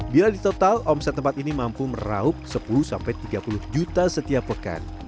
bila di total omset tempat ini mampu meraup sepuluh tiga puluh juta setiap pekan